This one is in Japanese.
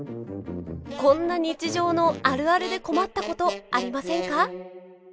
こんな日常のあるあるで困ったことありませんか？